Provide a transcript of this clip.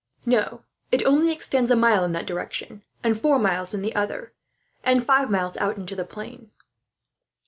"No, it only extends a mile in that direction, and four miles in the other, and five miles out into the plain."